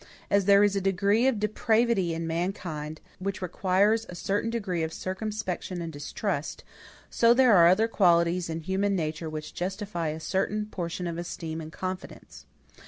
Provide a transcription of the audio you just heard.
As there is a degree of depravity in mankind which requires a certain degree of circumspection and distrust, so there are other qualities in human nature which justify a certain portion of esteem and confidence.